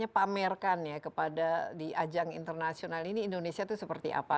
jadi itu yang merupakan ya diislahirkan ya di ajang internasional ini indonesia itu seperti apa